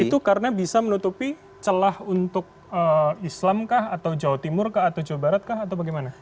itu karena bisa menutupi celah untuk islam kah atau jawa timur kah atau jawa barat kah atau bagaimana